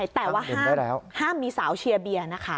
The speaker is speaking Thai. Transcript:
นั่งดื่มได้แต่ว่าห้ามมีสาวเชียร์เบียร์นะคะ